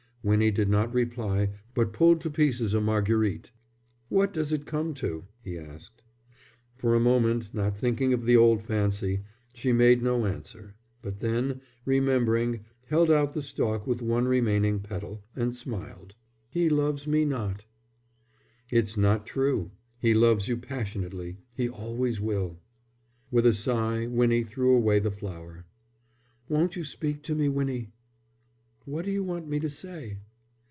Winnie did not reply but pulled to pieces a marguerite. "What does it come to?" he asked. For a moment, not thinking of the old fancy, she made no answer; but then, remembering, held out the stalk with one remaining petal, and smiled. "He loves me not." "It's not true. He loves you passionately. He always will." With a sigh Winnie threw away the flower. "Won't you speak to me, Winnie?" "What do you want me to say?"